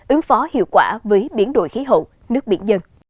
ứng phó hiệu quả với biến đổi khí hậu nước biển dân